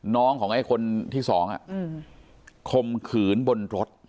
น้องของไอ้คนที่สองคมขืนบนรถ